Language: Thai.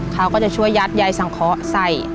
เขาก็จะช่วยยัดยายสังเคาะใส่